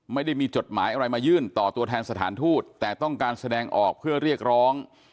ไม่ได้มีจดหมายอะไรมายื่นต่อตัวแทนสถานทูตแต่ต้องการแสดงออกเพื่อเรียกร้อง